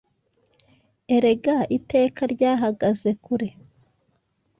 Erega Iteka ryahagaze kure,